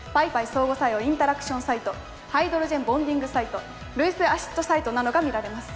相互作用インタラクションサイトハイドロジェンボンディングサイトルイスアシッドサイトなどが見られます。